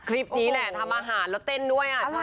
คลิปนี้แหละทำอาหารแล้วเต้นด้วย